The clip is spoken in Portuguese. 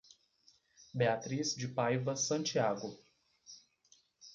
Beatriz de Paiva Santiago